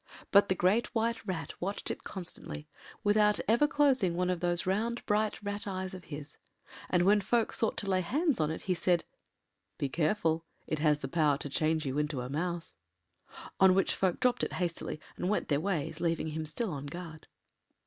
But the Great White Rat watched it constantly, without ever closing one of those round bright rat’ eyes of his, and when folk sought to lay hands on it he said— “Be careful: it has the power to change you into a mouse.” On which folk dropped it hastily and went their ways, leaving him still on guard.